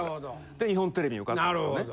で日本テレビに受かったんですよね。